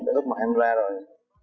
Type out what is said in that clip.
để lúc mà em ra rồi